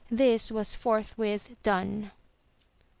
This was forthwith done.